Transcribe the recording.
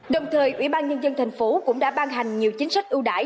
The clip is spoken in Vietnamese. đồng thời ủy ban nhân dân thành phố cũng đã ban hành nhiều chính sách ưu đại